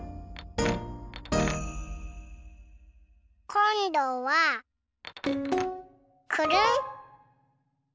こんどはくるん。